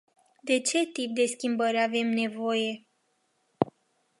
De ce tip de schimbări avem nevoie?